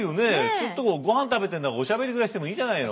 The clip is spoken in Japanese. ちょっとごはん食べてるならおしゃべりぐらいしてもいいじゃないの。